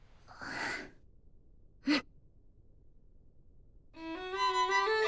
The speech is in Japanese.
うん！